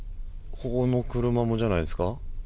この車もじゃないですか？